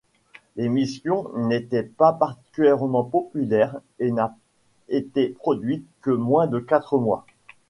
L'émission n'était pas particulièrement populaire et n'a été produite que moins de quatre mois.